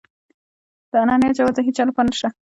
د انانيت جواز د هيچا لپاره نشته.